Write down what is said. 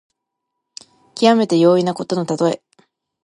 きわめて容易なことのたとえ。